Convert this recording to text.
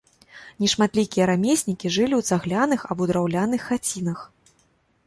Нешматлікія рамеснікі жылі ў цагляных або драўляных хацінах.